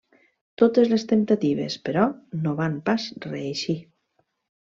Totes les temptatives, però, no van pas reeixir.